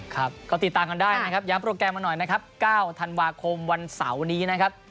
ครับก็ติดตามกันได้นะครับย้ำโปรแกรมกันหน่อยนะครับ๙ธันวาคมวันเสาร์นี้นะครับ